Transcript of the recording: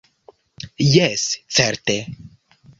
Jes, certe.